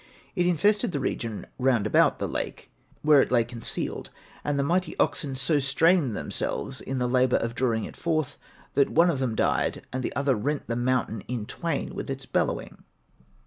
It infested the region round about the lake where it lay concealed, and the mighty oxen so strained themselves in the labour of drawing it forth that one of them died and the other rent the mountain in twain with his bellowing.